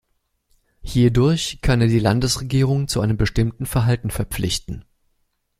Hierdurch kann er die Landesregierung zu einem bestimmten Verhalten verpflichten.